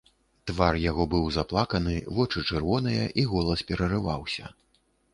Твар яго быў заплаканы, вочы чырвоныя, і голас перарываўся.